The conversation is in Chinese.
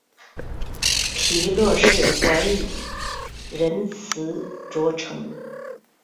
皮洛士还以仁慈着称。